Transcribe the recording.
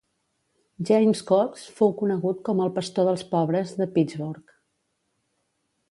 James Cox fou conegut com el "pastor dels pobres" de Pittsburgh.